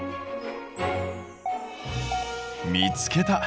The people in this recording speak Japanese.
見つけた。